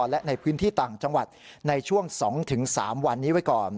และในพื้นที่ต่างจังหวัดในช่วง๒๓วันนี้ไว้ก่อน